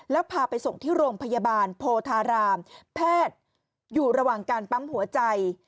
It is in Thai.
แล้วพาไปส่งที่โรงพยาบาลโพธารามแพทย์อยู่ระหว่างการปั๊มหัวใจ